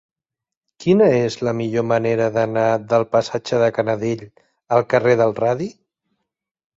Quina és la millor manera d'anar del passatge de Canadell al carrer del Radi?